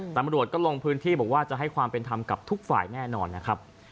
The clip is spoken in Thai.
ตำรวจก็ลงพื้นที่บอกว่าจะให้ความเป็นธรรมกับทุกฝ่ายแน่นอนนะครับ